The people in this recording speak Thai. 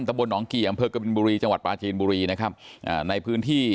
บลหนองกี่อำเภอกบินบุรีจังหวัดปลาจีนบุรีนะครับอ่าในพื้นที่